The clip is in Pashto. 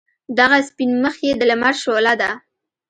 دغه سپین مخ یې د لمر شعله ده.